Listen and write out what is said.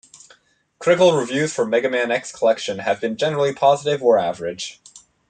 Critical reviews for "Mega Man X Collection" have been generally positive or average.